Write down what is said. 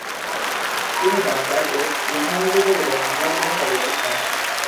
তিনি বাগদাদ ও ইসমাইলিদের উপর হামলার জন্য পদক্ষেপ নেন।